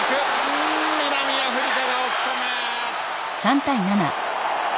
うん南アフリカが押し込む！